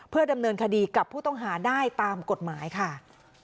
ดำเนินคดีกับผู้ต้องหาได้ตามกฎหมายค่ะ